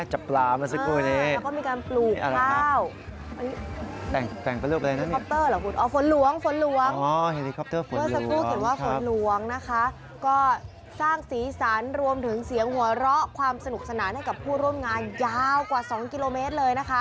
หลวงนะคะก็สร้างสีสันรวมถึงเสียงหัวเราะความสนุกสนานให้กับผู้ร่วมงานยาวกว่าสองกิโลเมตรเลยนะคะ